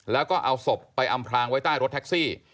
แล้วก็เอาศพไปอำพลางไว้ใต้รถแท็กซี่